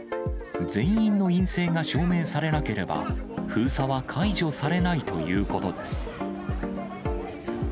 全員の陰性が証明されなければ、封鎖は解除されないということです。